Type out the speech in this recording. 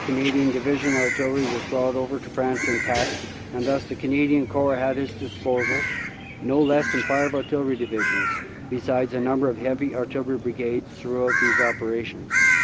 Canadian Divi sional Artillery was brought over to France intact and thus the Canadian Corps had at its disposal no less than five artillery divisions, besides a number of heavy artillery brigades, throughout these operations.